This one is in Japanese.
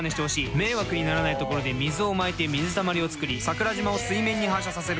迷惑にならないところで水をまいて水たまりを作り桜島を水面に反射させる